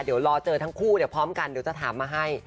เดี๋ยวรอเจอทั้งคู่พร้อมกันเดี๋ยวจะถามมาให้